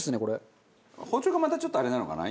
包丁がまたちょっとあれなのかな